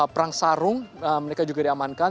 perang sarung mereka juga diamankan